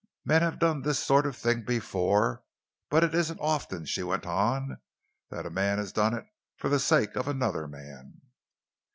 "Men have done this sort of thing before but it isn't often," she went on, "that a man has done it for the sake of another man."